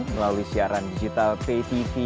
melalui siaran digital patv